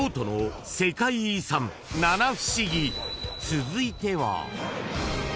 ［続いては］